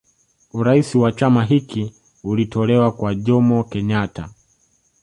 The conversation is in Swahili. Urais wa chama hiki ulitolewa kwa Jomo Kenyatta